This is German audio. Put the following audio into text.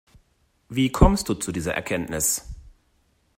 Wie kommst du zu dieser Erkenntnis?